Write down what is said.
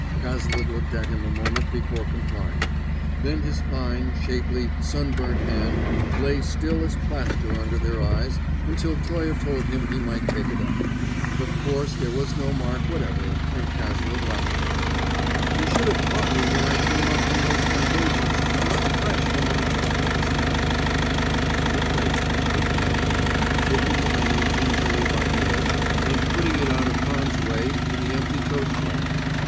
Cazalet looked at him a moment before complying; then his fine, shapely, sunburnt hand lay still as plaster under their eyes until Toye told him he might take it up. Of course there was no mark whatever, and Cazalet laughed. "You should have caught me when I came up from those foundations, not fresh from my tub!" said he. "You wait," replied Hilton Toye, taking the menu gingerly by the edge, and putting it out of harm's way in the empty toast rack.